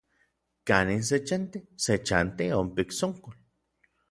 ¿Kanin se chanti? Se chanti onpik Tsonkol.